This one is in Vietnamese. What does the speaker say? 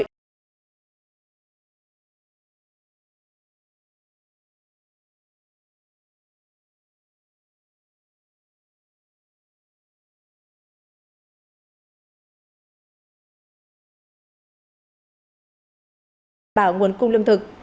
tổng cục thống kê cpi tháng ba sẽ không có biến động nhiều so với tháng hai